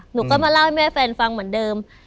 หนูก็มาเล่าให้แม่แฟนฟังเหมือนเดิม